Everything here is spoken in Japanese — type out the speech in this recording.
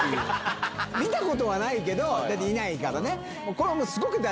見たことはないけどだっていないからね。